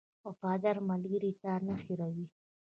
• وفادار ملګری تا نه هېروي.